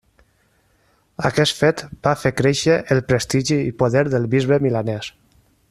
Aquest fet va fer créixer el prestigi i poder del bisbe milanès.